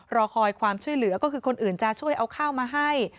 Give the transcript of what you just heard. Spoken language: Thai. รอคอยความช่วยเหลือก็คือคนอื่นจะช่วยเอาข้าวมาให้